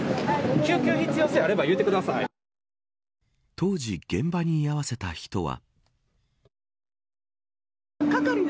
当時、現場に居合わせた人は。